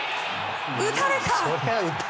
打たれた！